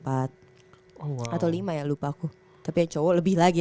atau lima ya lupa aku tapi cowok lebih lagi